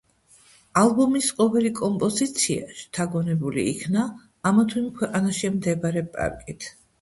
ალბომის ყოველი კომპოზიცია შთაგონებული იქნა ამა თუ იმ ქვეყანაში მდებარე პარკით.